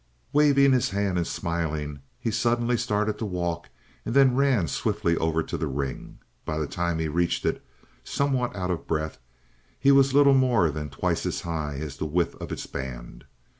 Waving his hand and smiling, he suddenly started to walk and then ran swiftly over to the ring. By the time he reached it, somewhat out of breath, he was little more than twice as high as the width of its band.